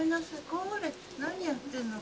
これ何やってんの。